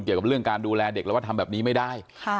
เกี่ยวกับเรื่องการดูแลเด็กแล้วว่าทำแบบนี้ไม่ได้